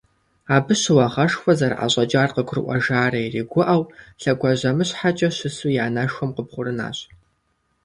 Абы щыуагъэшхуэ зэрыӀэщӀэкӀар къыгурыӀуэжарэ иригуӀэу, лъэгуажьэмыщхьэкӀэ щысу и анэшхуэм къыбгъурынащ.